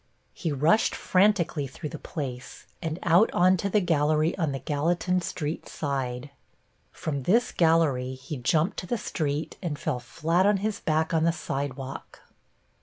He rushed frantically through the place and out on to the gallery on the Gallatin Street side. From this gallery he jumped to the street and fell flat on his back on the sidewalk.